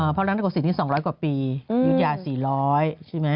พระราชนาโกสินที่๒๐๐กว่าปียุยยา๔๐๐ใช่ไหม